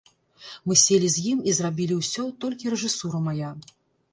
Мы селі з ім і зрабілі ўсё, толькі рэжысура мая.